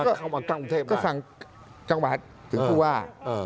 ก็สั่งจังหวัดถือมา